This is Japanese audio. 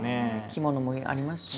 着物もありますしね。